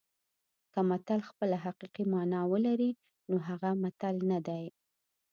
که متل خپله حقیقي مانا ولري نو هغه متل نه دی